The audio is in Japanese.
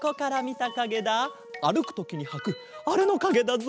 あるくときにはくあれのかげだぞ。